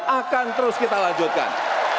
akan terus kita lanjutkan